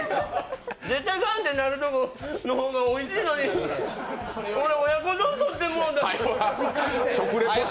絶対ガンってなるところの方がおいしいのに、俺、親子丼とってしもた。